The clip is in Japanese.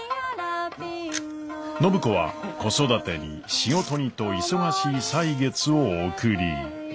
暢子は子育てに仕事にと忙しい歳月を送り。